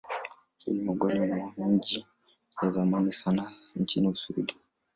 Huu ni miongoni mwa miji ya zamani sana nchini Uswidi.